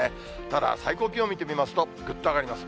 ただ、最高気温見てみますと、ぐっと上がります。